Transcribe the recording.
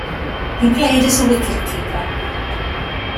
He played as a wicket-keeper.